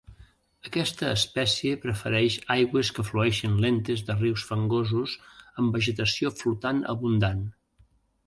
Aquesta espècie prefereix aigües que flueixen lentes de rius fangosos amb vegetació flotant abundant.